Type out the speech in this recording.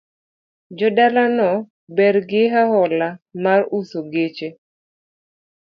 Jodala no ber gi oala mar uso geche